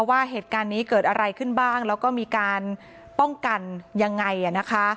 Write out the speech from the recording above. ว่าเหตุการณ์นี้เกิดอะไรขึ้นบ้างแล้วก็มีการป้องกันยังไงนะคะ